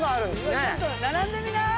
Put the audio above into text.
ちょっと並んでみな。